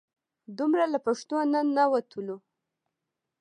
دومره له پښتو نه نه وتلو.